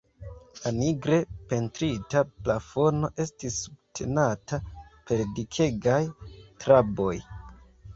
La nigre pentrita plafono estis subtenata per dikegaj traboj.